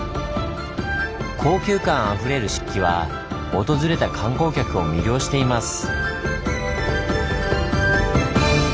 高級感あふれる漆器は訪れた観光客を魅了しています。